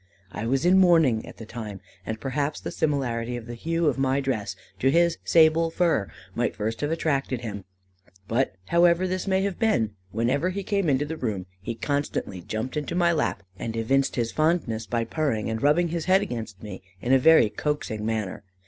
I was in mourning at the time, and, perhaps, the similarity of the hue of my dress to his sable fur, might first have attracted him; but, however this may have been, whenever he came into the room, he constantly jumped into my lap, and evinced his fondness by purring and rubbing his head against me in a very coaxing manner.